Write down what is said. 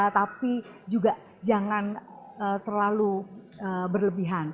tapi juga jangan terlalu berlebihan